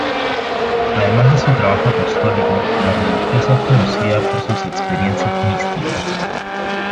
Además de su trabajo apostólico, la religiosa es conocida por sus experiencias místicas.